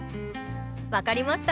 分かりました。